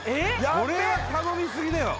これは頼みすぎだよ